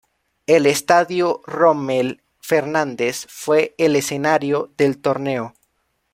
El Estadio Rommel Fernández fue el escenario del torneo.